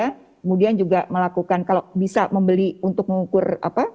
kemudian juga melakukan kalau bisa membeli untuk mengukur apa